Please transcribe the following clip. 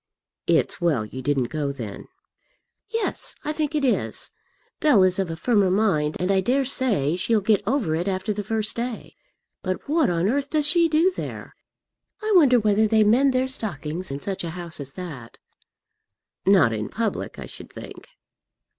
"It's well you didn't go then." "Yes, I think it is. Bell is of a firmer mind, and I dare say she'll get over it after the first day. But what on earth does she do there? I wonder whether they mend their stockings in such a house as that." "Not in public, I should think."